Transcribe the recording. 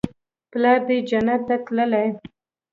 پلار دې جنت ته تللى.